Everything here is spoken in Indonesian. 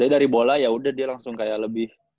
dari bola ya udah dia langsung kaya lebih